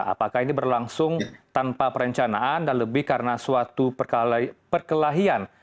apakah ini berlangsung tanpa perencanaan dan lebih karena suatu perkelahian